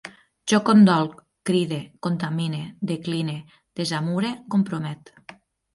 Jo condolc, cride, contamine, decline, desamure, compromet